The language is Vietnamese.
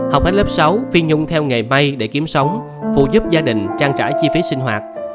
học hết lớp sáu phi nhung theo nghề bay để kiếm sống phụ giúp gia đình trang trải chi phí sinh hoạt